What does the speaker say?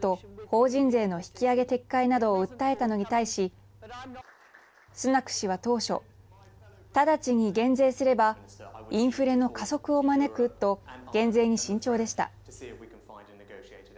法人税の引き上げ撤回などを訴えたのに対しスナク氏は当初直ちに減税すればインフレの加速を招くと減税に慎重でした。